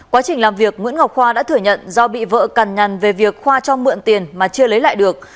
quá trình làm việc nguyễn ngọc khoa đã thừa nhận do bị vợ cằn nhằn về việc khoa cho mượn tiền mà chưa lấy lại được